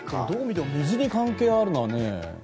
どう見ても水に関係あるのはね。